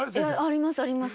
ありますあります。